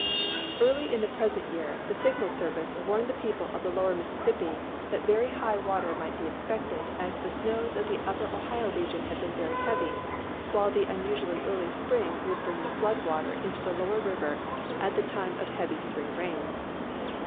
Early in the present year, the Signal Service warned the people of the lower Mississippi that very high water might be expected, as the snows of the upper Ohio region had been very heavy, while the unusually early spring would bring the flood water into the lower river at the time of heavy spring rains.